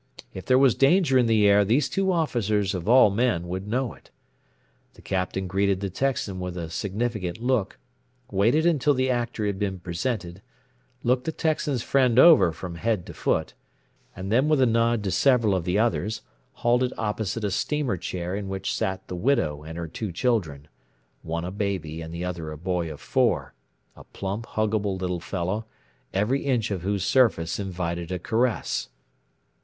If there was danger in the air these two officers, of all men, would know it. The Captain greeted the Texan with a significant look, waited until the Actor had been presented, looked the Texan's friend over from head to foot, and then with a nod to several of the others halted opposite a steamer chair in which sat the widow and her two children one a baby and the other a boy of four a plump, hugable little fellow, every inch of whose surface invited a caress.